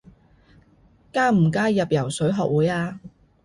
加唔加入游水學會啊？